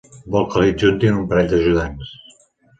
Vol que li adjuntin un parell d'ajudants.